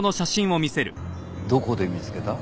どこで見つけた？